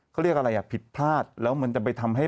เขาเรียกอะไรอ่ะผิดพลาดแล้วมันจะไปทำให้